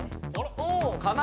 かな